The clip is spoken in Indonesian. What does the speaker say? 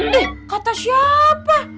dih kata siapa